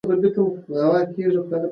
چای به یخ شوی وي.